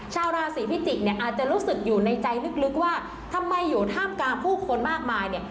ชาวราศีพิจิกษ์เนี่ยอาจจะรู้สึกอยู่ในใจลึกว่าทำไมอยู่ท่ามกลางผู้คนมากมายเนี่ย